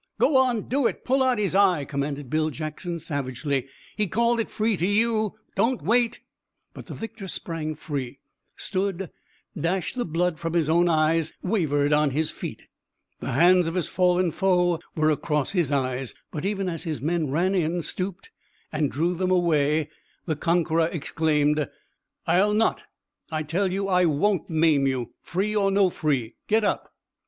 "Go on do it! Pull out his eye!" commanded Bill Jackson savagely. "He called it free to you! But don't wait!" But the victor sprang free, stood, dashed the blood from his own eyes, wavered on his feet. The hands of his fallen foe were across his eyes. But even as his men ran in, stooped and drew them away the conqueror exclaimed: "I'll not! I tell you I won't maim you, free or no free! Get up!"